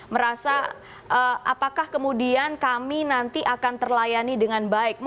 merasa apakah kemudian kami nanti akan terlayani dengan baik